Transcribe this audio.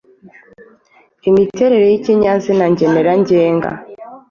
Imiterere y’ikinyazina ngenera ngenga